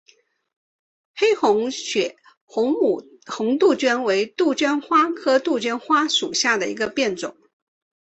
黑红血红杜鹃为杜鹃花科杜鹃花属下的一个变种。